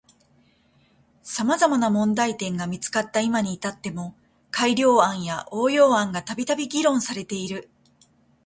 様々な問題点が見つかった今に至っても改良案や応用案がたびたび議論されている。